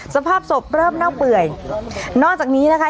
สภาพศพเริ่มเน่าเปื่อยนอกจากนี้นะคะ